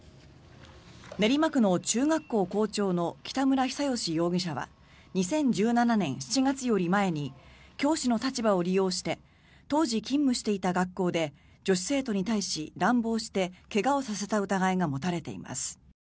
練馬区の中学校校長の北村比左嘉容疑者は２０１７年７月より前に教師の立場を利用して当時勤務していた学校で女子生徒に対し乱暴して、怪我をさせた疑いが持たれています。